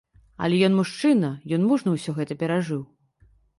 Але ён мужчына, ён мужна ўсё гэта перажыў.